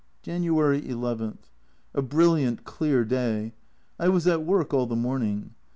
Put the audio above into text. January II. A brilliant, clear day. I was at work all the morning.